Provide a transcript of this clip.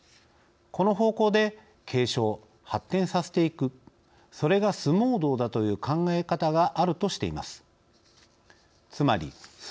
この方向で継承・発展させていくそれが相撲道だという考え方があるとしています。